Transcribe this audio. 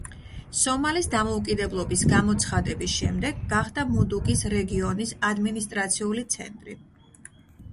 სომალის დამოუკიდებლობის გამოცხადების შემდეგ გახდა მუდუგის რეგიონის ადმინისტრაციული ცენტრი.